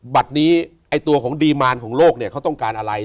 บัดนี้ตัวของดีมารของโลกเขาต้องการอะไร